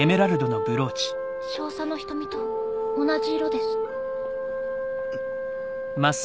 少佐の瞳と同じ色です。